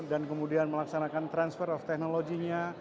dan kemudian melaksanakan transfer of teknologinya